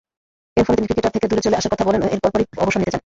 এরফলে তিনি ক্রিকেটার থেকে দূরে চলে আসার কথা বলেন ও এর পরপরই অবসর নিতে চান।